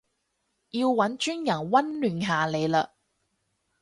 要搵專人溫暖下你嘞